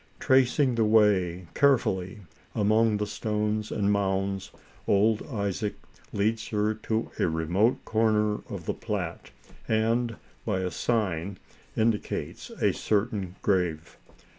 Tracing the way carefully among the stones and mounds, old Isaac leads her to a remote corner of the plat, and, by a sign, indi cates a certain grave.